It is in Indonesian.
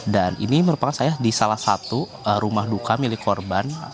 dan ini merupakan saya di salah satu rumah luka milik korban